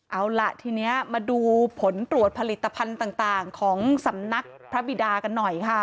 เอาล่ะทีนี้มาดูผลตรวจผลิตภัณฑ์ต่างของสำนักพระบิดากันหน่อยค่ะ